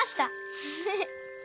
フフフ。